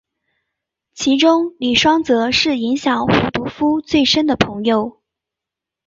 其中李双泽是影响胡德夫最深的朋友。